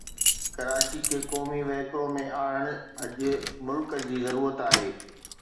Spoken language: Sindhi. ڪراچي کي قومي وهڪرو ۾ آڻڻ اڄ ملڪ جي ضرورت آهي.